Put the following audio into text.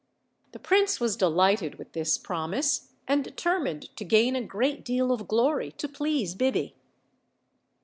The prince was delighted with this promise, and de termined to gain a great deal of glory to please Biby.